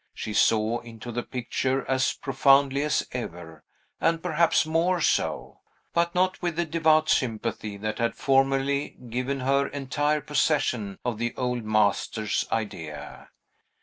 She saw into the picture as profoundly as ever, and perhaps more so, but not with the devout sympathy that had formerly given her entire possession of the old master's idea.